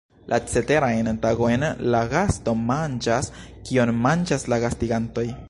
La ceterajn tagojn la gasto manĝas kion manĝas la gastigantoj.